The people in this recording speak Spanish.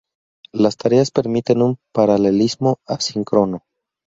Las tareas permiten un paralelismo asíncrono.